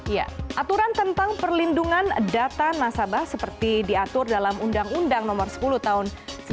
ya aturan tentang perlindungan data nasabah seperti diatur dalam undang undang nomor sepuluh tahun seribu sembilan ratus sembilan puluh